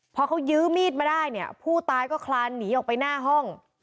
พอเขายื้อมีดมาได้เนี่ยผู้ตายก็คลานหนีออกไปหน้าห้อง